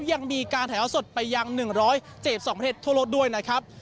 ยังมีการแถวสดไปยัง๑๗๒ประเทศทั่วโลกด้วยนะครับ